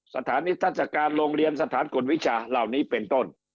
สถานนิทัศกาลโรงเรียนสถานกฎวิชาเหล่านี้เป็นต้น